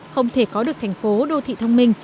không thể có được thành phố đô thị thông minh